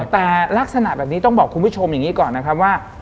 แต่ลักษณะแบบนี้ต้องบอกคุณผู้ชมอย่างนี้ก่อนนะครับว่า